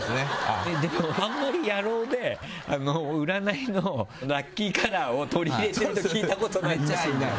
でも、あんまり、野郎で占いのラッキーカラーを取り入れてる人聞いたことない。